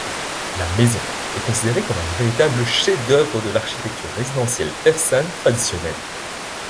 La maison est considérée comme un véritable chef-d'œuvre de l'architecture résidentielle persane traditionnelle.